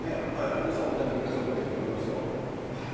皆さん、折り畳み傘持ってると思いますよ。